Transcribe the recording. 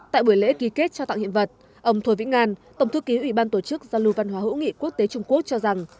tại buổi lễ ký kết trao tặng hiện vật ông thùy vĩnh ngan tổng thư ký ủy ban tổ chức giao lưu văn hóa hữu nghị quốc tế trung quốc cho rằng